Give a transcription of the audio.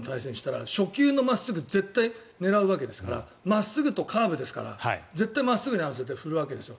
絶対に江川さんと対戦したら初球の真っすぐを絶対狙うわけですから真っすぐとカーブですから真っすぐに合わせて振るわけです。